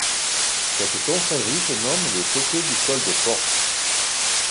Cette confrérie se nomme les Toqués du Col de Portes.